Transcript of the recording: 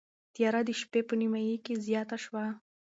تیاره د شپې په نیمايي کې زیاته شوه.